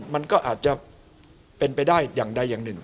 มันก็อาจจะเป็นไปได้อย่างใดอย่างหนึ่ง